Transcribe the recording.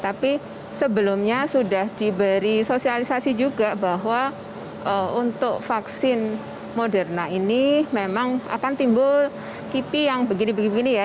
tapi sebelumnya sudah diberi sosialisasi juga bahwa untuk vaksin moderna ini memang akan timbul kipi yang begini begini ya